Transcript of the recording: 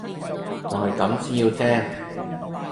就係咁先要聽